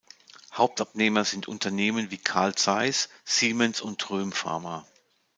Hauptabnehmer sind Unternehmen wie Carl Zeiss, Siemens und Röhm-Pharma.